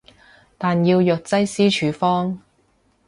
但要藥劑師處方